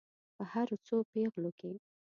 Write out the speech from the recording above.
په هرو څو پیغلو کې.